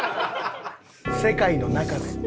世界の中で。